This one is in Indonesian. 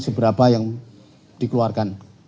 seberapa yang dikeluarkan